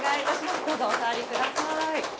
どうぞお座りください。